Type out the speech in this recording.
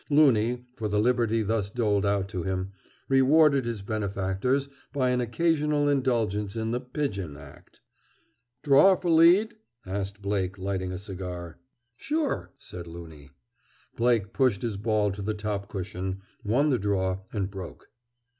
Loony, for the liberty thus doled out to him, rewarded his benefactors by an occasional indulgence in the "pigeon act." "Draw for lead?" asked Blake, lighting a cigar. "Sure," said Loony. Blake pushed his ball to the top cushion, won the draw, and broke.